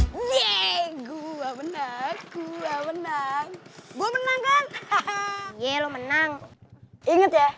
the einige mena kue nang kue menang grab brothers yellow menang inget ya